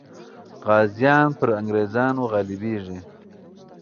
غازیان پر انګریزانو غالبېږي.